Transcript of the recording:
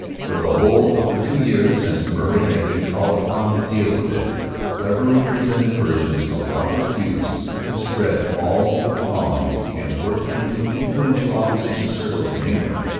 For the whole of the two years since Murray had been called upon to deal with it cleverly presented versions of Walker's views had been spread all over the colonies and worked into influential Opposition circles in England.